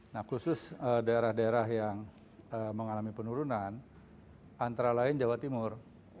nah khusus daerah daerah yang mengalami penurunan antara lain jawa timur